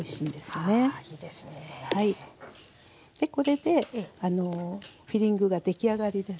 これでフィリングが出来上がりですね。